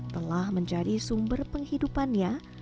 telah menjadi sumber penghidupannya